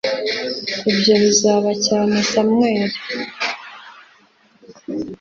ibyo bibabaza cyane samweli